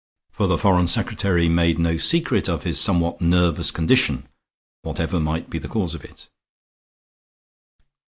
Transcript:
For the Foreign Secretary made no secret of his somewhat nervous condition, whatever might be the cause of it.